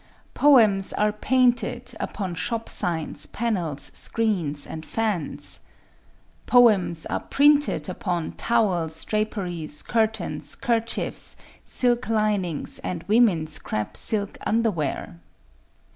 Poems are painted upon shop signs, panels, screens, and fans. Poems are printed upon towels, draperies, curtains, kerchiefs, silk linings, and women's crêpe silk underwear.